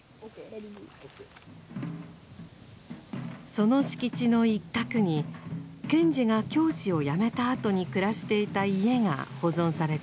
その敷地の一角に賢治が教師をやめたあとに暮らしていた家が保存されています。